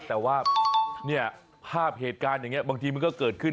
แต่ว่าเนี่ยภาพเหตุการณ์อย่างนี้บางทีมันก็เกิดขึ้น